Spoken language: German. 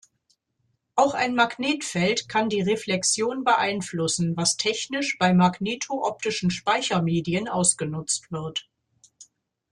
Auch ein Magnetfeld kann die Reflexion beeinflussen, was technisch bei magnetooptischen Speichermedien ausgenutzt wird.